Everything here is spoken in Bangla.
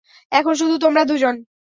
এখন শুধু তোমরা দুজন।